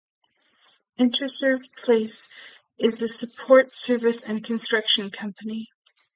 Interserve Plc is a support services and construction company.